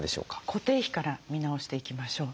固定費から見直していきましょう。